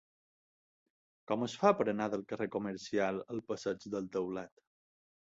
Com es fa per anar del carrer Comercial al passeig del Taulat?